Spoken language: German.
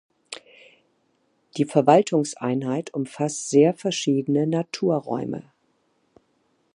Die Verwaltungseinheit umfasst sehr verschiedene Naturräume.